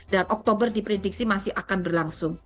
dan oktober diprediksi masih akan berlangsung